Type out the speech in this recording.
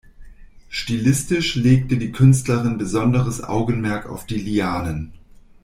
Stilistisch legte die Künstlerin besonderes Augenmerk auf die Lianen.